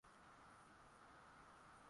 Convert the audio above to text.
kwamba sasa amechoka na labda anaweza wa